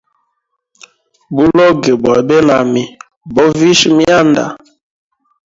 Buloge bwa benami, bovisha mianda.